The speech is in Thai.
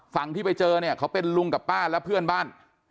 ที่ไปเจอเนี่ยเขาเป็นลุงกับป้าและเพื่อนบ้าน